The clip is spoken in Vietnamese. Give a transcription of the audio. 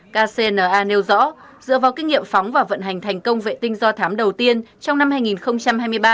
kcna nêu rõ dựa vào kinh nghiệm phóng và vận hành thành công vệ tinh do thám đầu tiên trong năm hai nghìn hai mươi ba